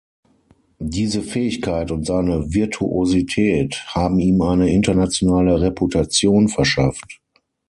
Diese Fähigkeit und seine Virtuosität haben ihm eine internationale Reputation verschafft.